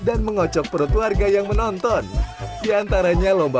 dan capel adhd ureuggling dan lance mut kellogg